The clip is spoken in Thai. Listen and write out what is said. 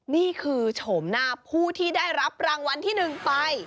โฉมหน้าผู้ที่ได้รับรางวัลที่๑ไป